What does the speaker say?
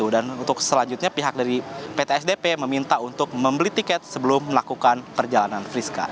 untuk selanjutnya pihak dari pt sdp meminta untuk membeli tiket sebelum melakukan perjalanan friska